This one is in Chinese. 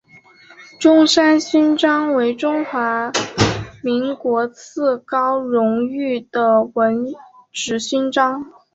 中山勋章为中华民国次高荣誉的文职勋章。